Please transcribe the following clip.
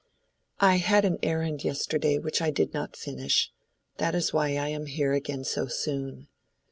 "I had an errand yesterday which I did not finish; that is why I am here again so soon.